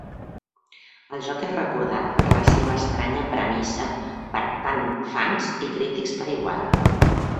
El joc és recordat per la seva estranya premissa per tant fans i crítics per igual.